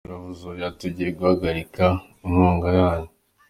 Yaravuze, oya, tugiye guhagarika inkunga yanyu.